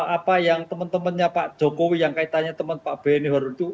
apa yang teman temannya pak jokowi yang kaitannya teman pak benny horoduk